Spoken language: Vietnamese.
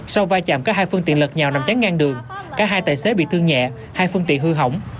sau vai chạm các hai phương tiện lật nhào nằm chán ngang đường các hai tài xế bị thương nhẹ hai phương tiện hư hỏng